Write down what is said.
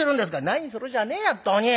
「何するじゃねえや本当に！